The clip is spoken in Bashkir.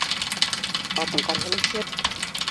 Атың ҡайһылай шәп!